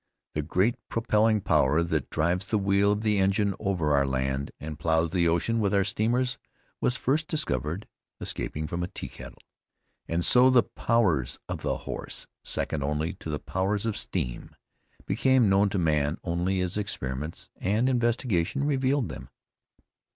The great propelling power that drives the wheel of the engine over our land, and ploughs the ocean with our steamers, was first discovered escaping from a tea kettle. And so the powers of the horse, second only to the powers of steam, became known to man only as experiments, and investigation revealed them.